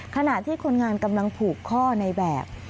ขณะที่คนงานกำลังผูกข้อในแบบ